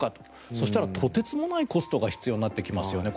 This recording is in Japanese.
そしたら、とてつもないコストが必要になってきますよね。